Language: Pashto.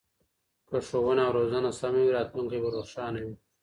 که ښوونه او روزنه سمه وي راتلونکی به روښانه وي.